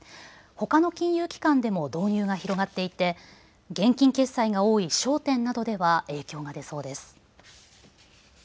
ほかの金融機関でも導入が広がっていて現金決済が多い商店などでは影響が出そうです。